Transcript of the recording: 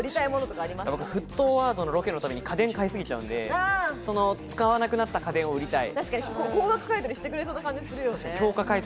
『沸騰ワード』のロケのたびに家電、買いすぎちゃうので、使わなくなった家電を売りたい。